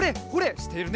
しているね。